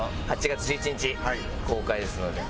８月１１日公開ですので。